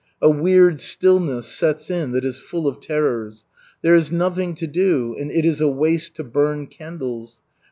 A weird stillness sets in that is full of terrors. There is nothing to do, and it is a waste to burn candles.